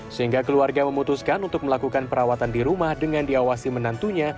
sehingga keluarga memutuskan untuk melakukan perawatan di rumah dengan diawasi menantunya